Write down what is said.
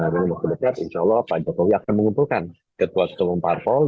bapak ibu kedekar insya allah pak jokowi akan mengumpulkan ketua umum partai